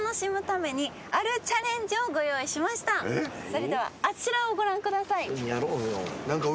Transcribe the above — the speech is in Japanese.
それではあちらをご覧ください。